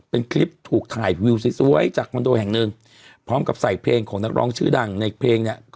เป็นคลิปถูกถ่ายวิวสวยจากคอนโดแห่งหนึ่งพร้อมกับใส่เพลงของนักร้องชื่อดังในเพลงเนี่ย